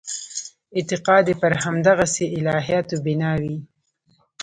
اعتقاد یې پر همدغسې الهیاتو بنا وي.